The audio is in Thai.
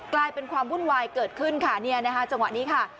กลายเป็นความวุ่นวายเกิดขึ้นจังหวะนี้ค่ะ